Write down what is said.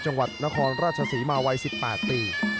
จังหวัดนครราชศรีมาวัย๑๘ปี